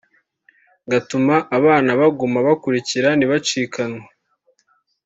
gatuma abana baguma bakurikira ntibacikanywe